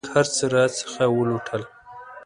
جنګ هرڅه راڅخه ولوټل.